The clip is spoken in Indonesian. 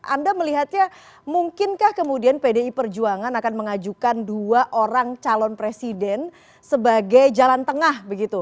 anda melihatnya mungkinkah kemudian pdi perjuangan akan mengajukan dua orang calon presiden sebagai jalan tengah begitu